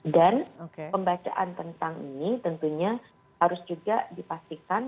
dan pembacaan tentang ini tentunya harus juga dipastikan